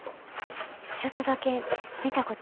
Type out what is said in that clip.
ちょっとだけ見たことあります。